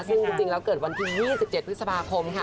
ซึ่งจริงแล้วเกิดวันที่๒๗พฤษภาคมค่ะ